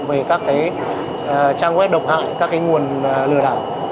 về các trang web độc hại các nguồn lừa đảo